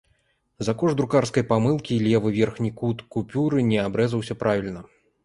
За кошт друкарскай памылкі левы верхні кут купюры не абрэзаўся правільна.